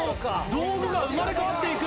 道具が生まれ変わって行く。